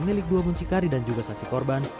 milik dua muncikari dan juga saksi korban